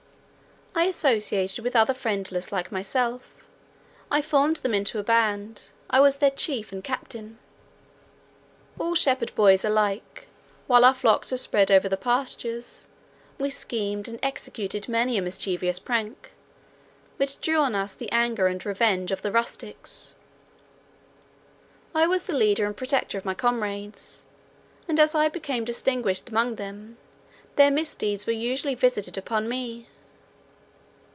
I associated with others friendless like myself; I formed them into a band, I was their chief and captain. All shepherd boys alike, while our flocks were spread over the pastures, we schemed and executed many a mischievous prank, which drew on us the anger and revenge of the rustics. I was the leader and protector of my comrades, and as I became distinguished among them, their misdeeds were usually visited upon me.